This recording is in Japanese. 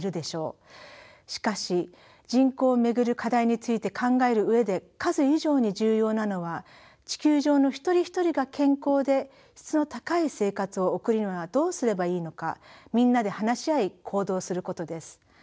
しかし人口を巡る課題について考える上で数以上に重要なのは地球上の一人一人が健康で質の高い生活を送るにはどうすればいいのかみんなで話し合い行動することです。